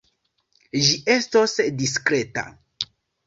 Ĝi estos diskreta.